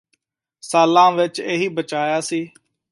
ਸਾਲਾ ਵਿੱਚ ਇਹੀ ਬੱਚਾਇਆ ਸੀ